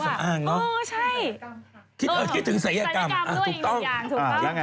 แล้วอันนี้ไม่ของคุณ